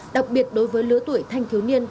đặc biệt đối với lứa tuổi thanh thiếu niên